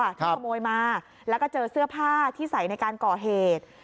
ที่ขโมยมาแล้วก็เจอเสื้อผ้าที่ใส่ในการก่อเหตุ